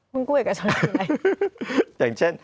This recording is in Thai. หุ้นกู้เอกชนคือไหน